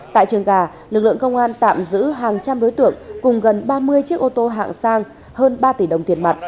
tại trường gà lực lượng công an tạm giữ hàng trăm đối tượng cùng gần ba mươi chiếc ô tô hạng sang hơn ba tỷ đồng tiền mặt